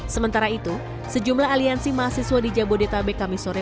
sementara itu sejumlah aliansi mahasiswa di jabodetabek kamisore